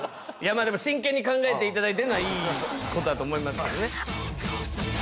まあでも真剣に考えていただいてるのはいいことだと思いますけどね。